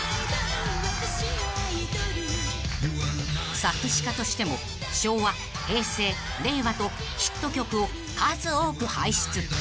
［作詞家としても昭和平成令和とヒット曲を数多く輩出］